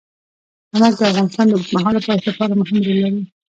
نمک د افغانستان د اوږدمهاله پایښت لپاره مهم رول لري.